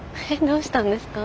どうしたんですか？